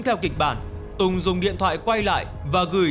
theo kịch bản tùng dùng điện thoại quay lại và gửi